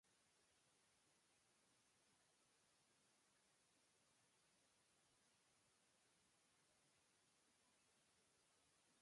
まるで、役所の組織が、おそらくは取るにたらぬような一つの問題に何年ものあいだ駆り立てられ、緊張していることにもはや我慢できなくなり、